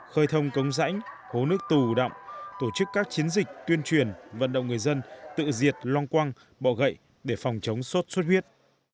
khơi thông cống rãnh hố nước tù động tổ chức các chiến dịch tuyên truyền vận động người dân tự diệt long quăng bọ gậy để phòng chống sốt xuất huyết